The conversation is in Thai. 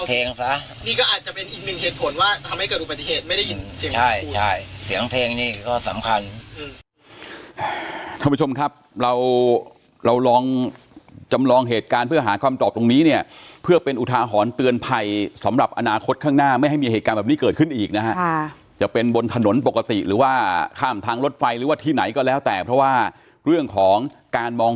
เหตุผลว่าทำให้เกิดอุปัติเหตุไม่ได้ยินใช่ใช่เสียงเพลงนี่ก็สำคัญท่านผู้ชมครับเราเราลองจำลองเหตุการณ์เพื่อหาความตอบตรงนี้เนี่ยเพื่อเป็นอุทาหรณ์เตือนภัยสำหรับอนาคตข้างหน้าไม่ให้มีเหตุการณ์แบบนี้เกิดขึ้นอีกนะฮะจะเป็นบนถนนปกติหรือว่าข้ามทางรถไฟหรือว่าที่ไหนก็แล้ว